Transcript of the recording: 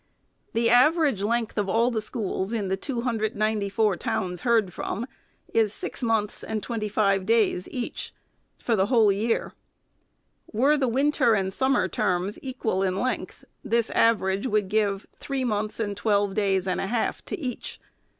The average length of all the schools in the two hun dred and ninety four towns heard from is six mouths and twenty five days each, for the whole year. Were the winter and summer terms equal in length, this average would give three months and twelve days and a half to each.